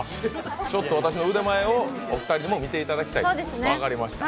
ちょっと私の腕前をお二人にも見ていただきたいと。